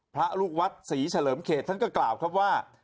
พระลูกวัดศรีเฉลิมเขตท่านก็กล่าวครับว่า